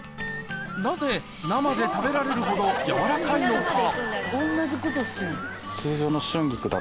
なぜ生で食べられるほど柔らかいのか？